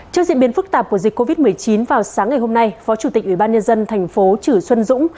trước diễn biến phức tạp của dịch covid một mươi chín vào sáng ngày hôm nay phó chủ tịch ủy ban nhân dân thành phố trử xuân dũng